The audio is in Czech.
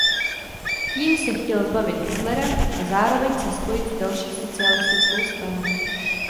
Tím se chtěl zbavit Hitlera a zároveň se spojit s další socialistickou stranou.